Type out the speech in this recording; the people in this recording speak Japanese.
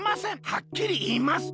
はっきりいいます。